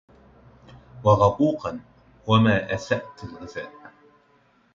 وغَبوقاً وما أسأت الغذاءَ